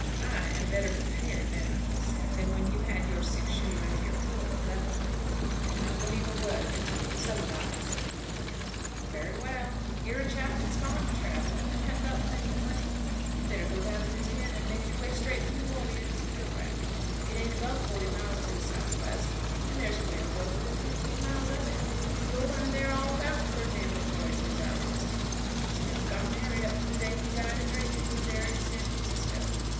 "I am better prepared now," he said, "than when you had your six shooter under your pillow at Leavenworth." "I do not believe a word of it. It's a lie," said Peacocke. "Very well. You're a chap that's fond of travelling, and have got plenty of money. You'd better go down to Louisiana and make your way straight from New Orleans to Kilbrack. It ain't above forty miles to the south west, and there's a rail goes within fifteen miles of it. You'll learn there all about Ferdinand Lefroy as was our cousin, him as never got married up to the day he died of drink and was buried at San Francisco.